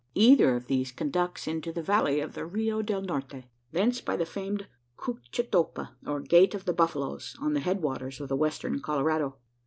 Either of these conducts into the valley of the Rio del Norte; thence by the famed "Coochetopa," or "gate of the buffaloes," on the head waters of the Western Colorado.